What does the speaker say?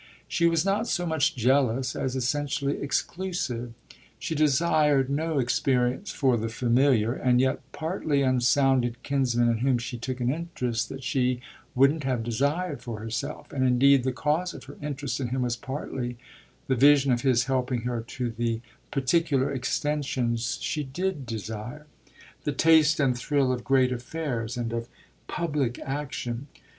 She was not so much jealous as essentially exclusive. She desired no experience for the familiar and yet partly unsounded kinsman in whom she took an interest that she wouldn't have desired for herself; and indeed the cause of her interest in him was partly the vision of his helping her to the particular extensions she did desire the taste and thrill of great affairs and of public action.